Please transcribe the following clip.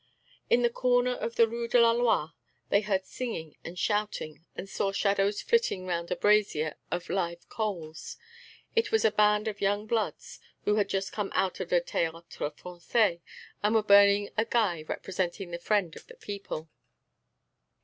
At the corner of the Rue de la Loi they heard singing and shouting and saw shadows flitting round a brazier of live coals. It was a band of young bloods who had just come out of the Théâtre Français and were burning a guy representing the Friend of the People.